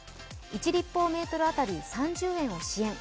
１立方メートル当たり、３０円を支援。